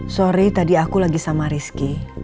sorry tadi aku lagi sama rizky